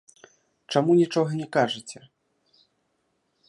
Чаму нічога не кажаце?